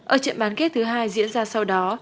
ở trận bán kết thứ hai diễn ra sau đó